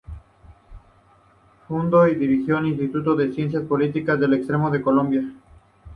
Fundó y dirigió el Instituto de Ciencias Políticas del Externado de Colombia.